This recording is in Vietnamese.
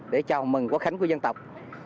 để chào mừng quá khánh của dân tộc